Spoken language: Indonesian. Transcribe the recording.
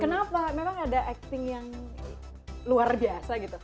kenapa memang ada acting yang luar biasa gitu